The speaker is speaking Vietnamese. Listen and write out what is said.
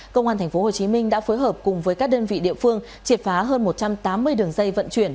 công an tp hcm đã phối hợp cùng với các đơn vị địa phương triệt phá hơn một trăm tám mươi đường dây vận chuyển